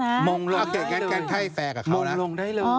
มงลงได้เลยมงลงได้เลยโอเคแกนแค่ให้แฟนกับเขานะ